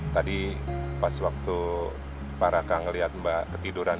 tadi pas waktu pak raka ngeliat mbak ketiduran